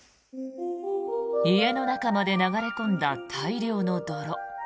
家の中まで流れ込んだ大量の泥。